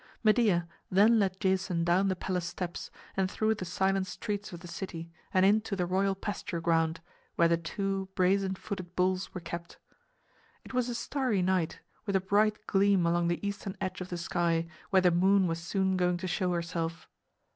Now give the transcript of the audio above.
Medea then led Jason down the palace steps and through the silent streets of the city and into the royal pasture ground, where the two brazen footed bulls were kept. It was a starry night, with a bright gleam along the eastern edge of the sky, where the moon was soon going to show herself.